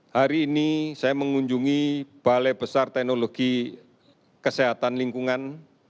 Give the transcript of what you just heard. hari ini saya mengunjungi balai besar teknologi kesehatan lingkungan